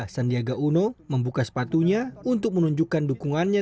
sandiaga uno membuka sepatunya untuk menunjukkan dukungannya